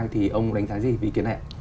thì ông đánh giá gì về ý kiến này